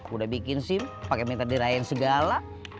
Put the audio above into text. udah bikin sim pakai meter dirayain segala